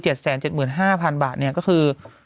เจีียดแสนเจ็ดหมื่นห้าพันบาทเนี่ยก็คือ